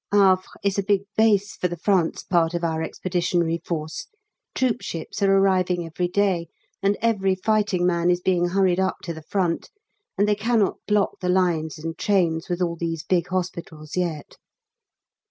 Havre is a big base for the France part of our Expeditionary Force. Troopships are arriving every day, and every fighting man is being hurried up to the Front, and they cannot block the lines and trains with all these big hospitals yet.